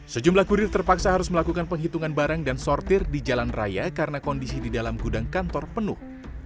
sejumlah kurir terpaksa harus melakukan penghitungan barang dan sortir di jalan raya karena kondisi di dalam gudang kantor penuh